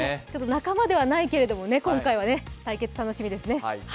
仲間ではないけれども、今回はね、対決楽しみですね。